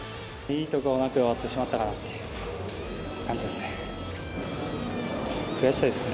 いいところなく終わってしまったかなって感じですね。